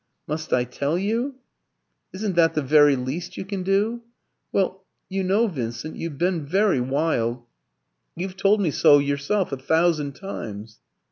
"Must I tell you?" "Isn't that the very least you can do?" "Well you know, Vincent, you've been very wild; you've told me so yourself a thousand times."